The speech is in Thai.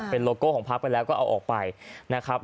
เป็นโลโก้ของพักไปแล้วก็เอาออกไปนะครับ